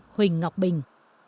võ sư huỳnh ngọc bình